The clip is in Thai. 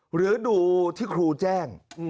หรือดูที่ครูแจ้ง